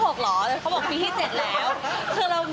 แต่เขาบอกปีที่๗แล้ว